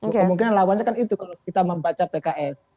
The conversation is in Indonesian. kemungkinan lawannya kan itu kalau kita membaca pks